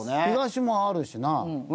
東もあるしな。